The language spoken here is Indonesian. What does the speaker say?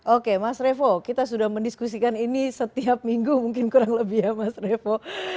oke mas revo kita sudah mendiskusikan ini setiap minggu mungkin kurang lebih ya mas revo